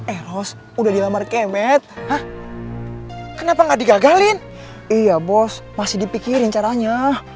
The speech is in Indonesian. eros udah dilamar kemet hah kenapa nggak digagalin iya bos masih dipikirin caranya